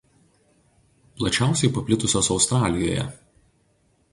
Plačiausiai paplitusios Australijoje.